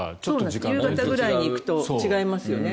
夕方ぐらいに行くと違いますよね。